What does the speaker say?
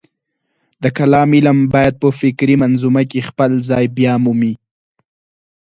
د کلام علم باید په فکري منظومه کې خپل ځای بیامومي.